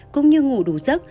cũng như ngủ đủ giấc